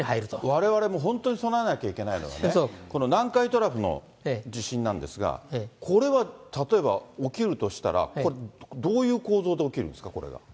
われわれも本当に備えなきゃいけないのはね、南海トラフの地震なんですが、これは例えば起きるとしたら、どういう構造で起きるんですか、これは。